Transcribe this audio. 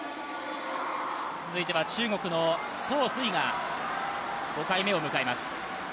続いては、中国の曾蕊が５回目を迎えます。